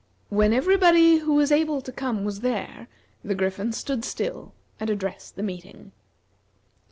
When everybody who was able to come was there, the Griffin stood still and addressed the meeting.